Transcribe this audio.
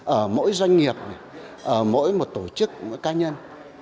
ở mỗi doanh nghiệp ở mỗi một tổ chức mỗi cá nhân